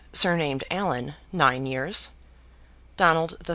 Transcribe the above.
(surnamed Allan), nine years; Donald III.